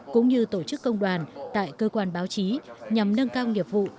cũng như tổ chức công đoàn tại cơ quan báo chí nhằm nâng cao nghiệp vụ